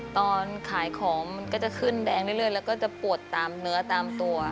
ตอนขายของมันก็จะขึ้นแดงเรื่อยแล้วก็จะปวดตามเนื้อตามตัว